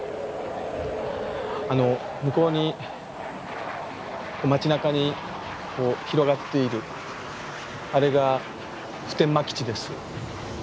あの向こうに街なかに広がっているあれが普天間基地です。